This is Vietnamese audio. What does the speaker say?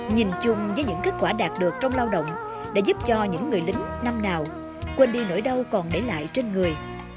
nhìn chung với những kết quả đạt được trong lao động đã giúp cho những người lính năm nào quên đi nỗi đau còn để lại trên người